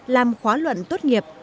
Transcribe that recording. làm khóa luận tốt nghiệp